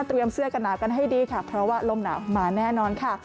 เสื้อกระหนาวกันให้ดีค่ะเพราะว่าลมหนาวมาแน่นอนค่ะ